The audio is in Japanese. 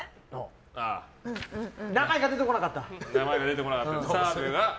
名前が出てこなかった。